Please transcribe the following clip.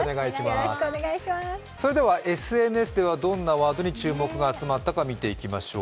ＳＮＳではどんなワードに注目が集まったか見ていきましょう。